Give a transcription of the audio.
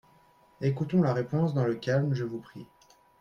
Écoutons la réponse dans le calme, je vous prie.